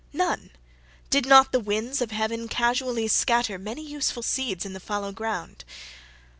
None did not the winds of heaven casually scatter many useful seeds in the fallow ground.